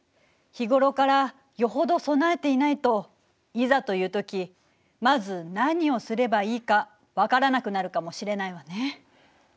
日頃からよほど備えていないといざという時まず何をすればいいか分からなくなるかもしれないわね。